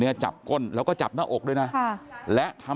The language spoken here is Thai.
เดี๋ยวให้กลางกินขนม